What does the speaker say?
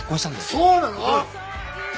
そうなの！？